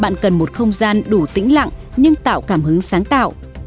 bạn cần một không gian đủ tĩnh lặng nhưng tạo cảm hứng sáng tạo